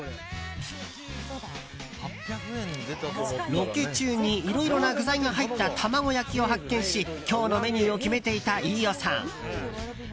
ロケ中に、いろいろな具材が入った卵焼きを発見し今日のメニューを決めていた飯尾さん。